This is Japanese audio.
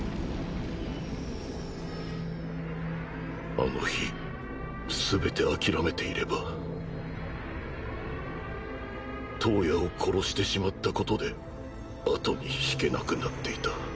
あの日全て諦めていれば燈矢を殺してしまったことで後に引けなくなっていた。